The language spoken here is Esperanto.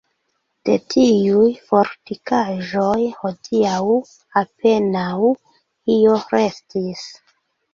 De tiuj fortikaĵoj hodiaŭ apenaŭ io restis.